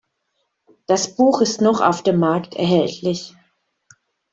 Das Buch ist noch auf dem Markt erhältlich.